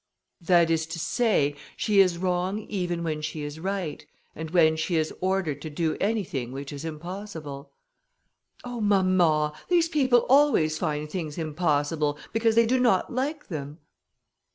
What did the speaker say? "That is to say, she is wrong even when she is right, and when she is ordered to do anything which is impossible." "Oh! mamma, these people always find things impossible, because they do not like them."